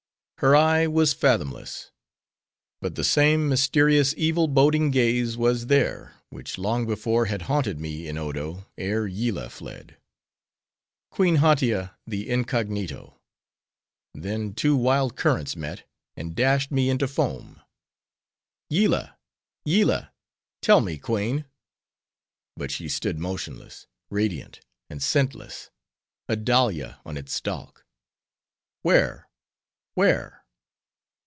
Her eye was fathomless. But the same mysterious, evil boding gaze was there, which long before had haunted me in Odo, ere Yillah fled.—Queen Hautia the incognito! Then two wild currents met, and dashed me into foam. "Yillah! Yillah!—tell me, queen!" But she stood motionless; radiant, and scentless: a dahlia on its stalk. "Where? Where?"